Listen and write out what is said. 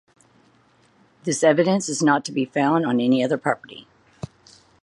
This evidence is not to be found on any other property.